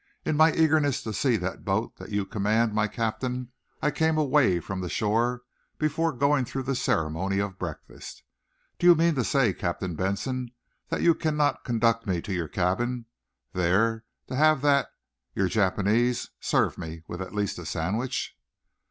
"In my eagerness to see that boat that you command, my Captain, I came away from the shore before going through the ceremony of breakfast. Do you mean to say, Captain Benson, that you cannot conduct me to your cabin, there to have that your Japanese serve me with at least a sandwich?"